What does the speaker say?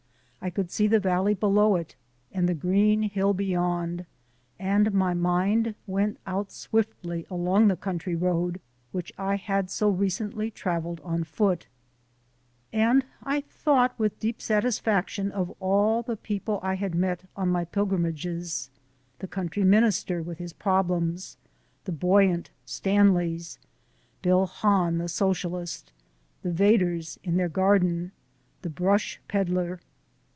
I could see the valley below it and the green hill beyond, and my mind went out swiftly along the country road which I had so recently travelled on foot, and I thought with deep satisfaction of all the people I had met on my pilgrimages the Country Minister with his problems, the buoyant Stanleys, Bill Hahn the Socialist, the Vedders in their garden, the Brush Peddler.